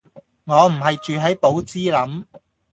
我唔係住係寶芝林